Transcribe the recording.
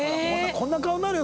こんな顔になるよ